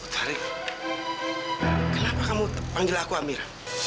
tarik kenapa kamu panggil aku amira